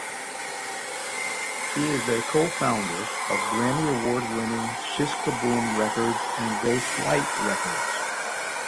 She is a co-founder of Grammy Award-winning Sh-K-Boom Records and Ghost light Records.